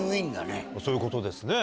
そういうことですね。